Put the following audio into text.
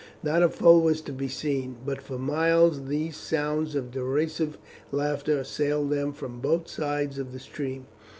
Not a foe was to be seen, but for miles these sounds of derisive laughter assailed them from both sides of the stream.